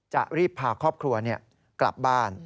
จะรีบพาครอบครัวกลับบ้าน